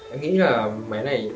anh nghĩ là máy này